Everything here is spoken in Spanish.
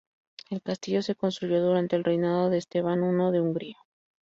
El castillo se construyó durante el reinado de Esteban I de Hungría.